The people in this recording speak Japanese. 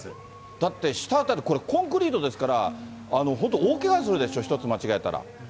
だって、下辺り、コンクリートですから、本当、大けがするでしょ、一つ間違えたら。